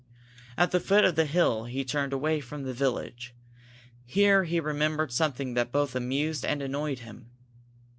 At the foot of the hill he turned away from the village. Here he remembered something that both amused and annoyed him.